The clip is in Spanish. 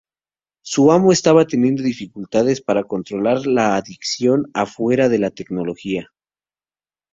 Su amo estaba teniendo dificultades para controlar la adicción a fuera de la tecnología.